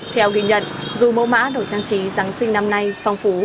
theo ghi nhận dù mẫu mã đồ trang trí giáng sinh năm nay phong phú